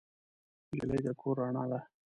نجلۍ د کور رڼا ده.